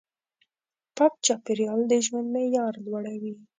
پاک چاپېریال د ژوند معیار لوړوي.